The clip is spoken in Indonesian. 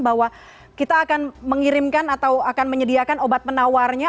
bahwa kita akan mengirimkan atau akan menyediakan obat penawarnya